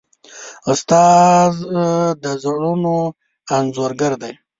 استاد د زړونو انځورګر دی.